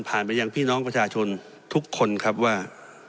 ไปยังพี่น้องประชาชนทุกคนครับว่า